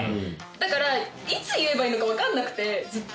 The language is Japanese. だからいつ言えばいいのか分かんなくてずっと。